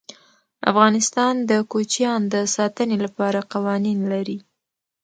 افغانستان د کوچیان د ساتنې لپاره قوانین لري.